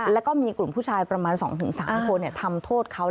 แล้วก็มีกลุ่มผู้ชายประมาณ๒๓คนทำโทษเขา